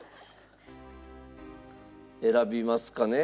選びますかね？